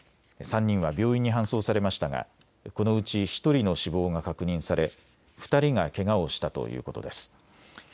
３人は病院に搬送されましたがこのうち１人の死亡が確認され２人がけがをしたということです。